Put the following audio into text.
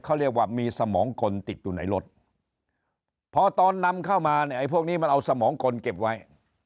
เขาเรียกว่ามีสมองคนติดอยู่ในรถพอตอนนำเข้ามาเนี่ยไอ้พวกนี้มันเอาสมองคนเก็บไว้